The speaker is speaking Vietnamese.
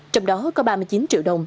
trong đó có ba mươi chín triệu đồng